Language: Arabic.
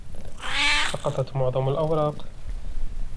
سقطت معظم الأوراق.